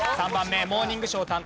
３番目『モーニングショー』